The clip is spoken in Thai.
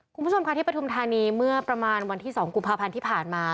คุณผู้ชมค่ะที่ปฐุมธานีเมื่อประมาณวันที่๒กุมภาพันธ์ที่ผ่านมา